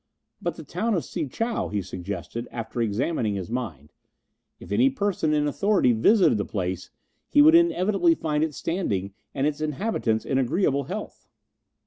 "But the town of Si chow," he suggested, after examining his mind; "if any person in authority visited the place, he would inevitably find it standing and its inhabitants in agreeable health."